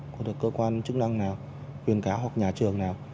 cơ quan chức năng nào quyền cáo hoặc nhà trường nào